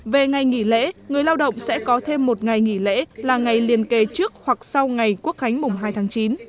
về ngày nghỉ lễ người lao động sẽ có thêm một ngày nghỉ lễ là ngày liên kề trước hoặc sau ngày quốc khánh mùng hai tháng chín